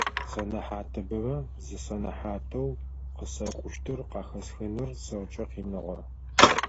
Сэнэхьатыбэмэ зы сэнэхьатэу къысэкӏущтыр къахэсхыныр сэркӏэ къиныгъэ.